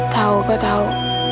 tau kau tau